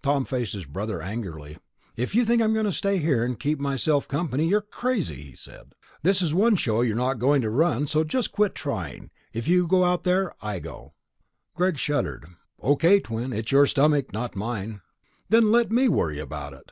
Tom faced his brother angrily. "If you think I'm going to stay here and keep myself company, you're crazy," he said. "This is one show you're not going to run, so just quit trying. If you go out there, I go." Greg shrugged. "Okay, Twin. It's your stomach, not mine." "Then let me worry about it."